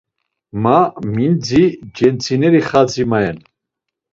Ma mindzi centzineri xadzi mayen.